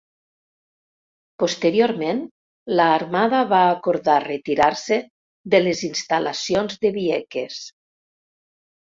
Posteriorment, l'Armada va acordar retirar-se de les instal·lacions de Vieques.